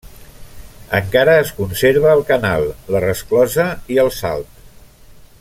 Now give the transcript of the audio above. Encara es conserva el canal, la resclosa i el salt.